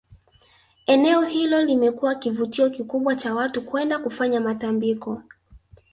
Eneo hilo limekuwa kivutio kikubwa cha watu kwenda kufanya matambiko